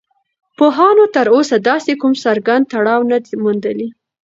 پوهانو تر اوسه داسې کوم څرگند تړاو نه دی موندلی